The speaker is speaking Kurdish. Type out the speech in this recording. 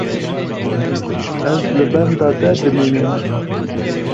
Ez li benda te dimînim.